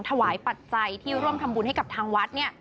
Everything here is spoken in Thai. ถ่วยปัจจัยที่ร่วมทำบุญให้กับทางวัด